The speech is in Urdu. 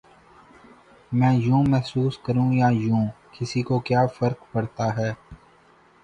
میں یوں محسوس کروں یا یوں، کسی کو کیا فرق پڑتا ہے؟